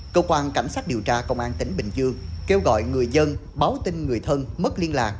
cơ quan cảnh sát điều tra công an tỉnh bình dương kêu gọi người dân báo tin người thân mất liên lạc